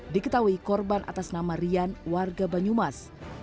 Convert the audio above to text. diketahui korban atas nama rian warga banyumas